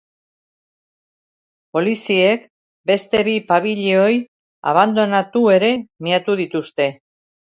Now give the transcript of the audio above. Poliziek beste bi pabilioi abandonatu ere miatu dituzte.